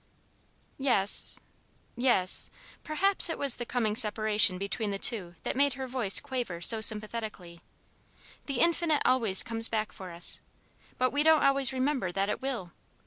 "Yes yes" perhaps it was the coming separation between the two that made her voice quaver so sympathetically "the Infinite always comes back for us. But we don't always remember that it will!